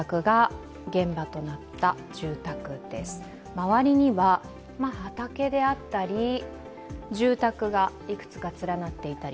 周りには畑や住宅がいくつか連なっていたり。